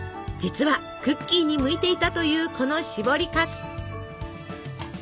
実はクッキーに向いていたというこのしぼりかす。